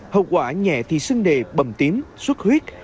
hậu quả nhẹ thì sưng nề bầm tím xuất huyết